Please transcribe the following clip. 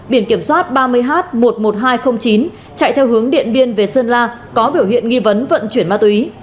biển kiểm soát ba mươi h một mươi một nghìn hai trăm linh chín chạy theo hướng điện biên về sơn la có biểu hiện nghi vấn vận chuyển ma túy